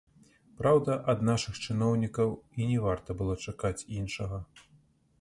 Праўда, ад нашых чыноўнікаў і не варта было чакаць іншага.